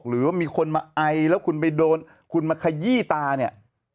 หรือว่ามีคนมาไอแล้วคุณไปโดนคุณมาขยี้ตาเนี่ย